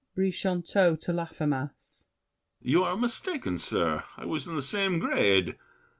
BRICHANTEAU (to Laffemas). You are mistaken, sir. I was in the Same grade.